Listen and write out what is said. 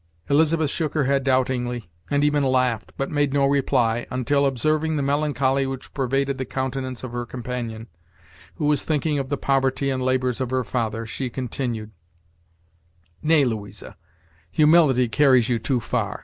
Elizabeth shook her head doubtingly, and even laughed, but made no reply, until, observing the melancholy which pervaded the countenance of her companion, who was thinking of the poverty and labors of her father, she continued: "Nay, Louisa, humility carries you too far.